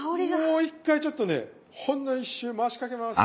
もう一回ちょっとねほんの一瞬回しかけます。